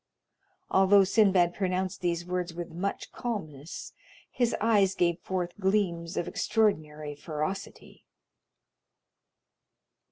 Although Sinbad pronounced these words with much calmness, his eyes gave forth gleams of extraordinary ferocity.